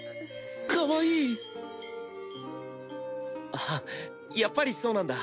あっやっぱりそうなんだ。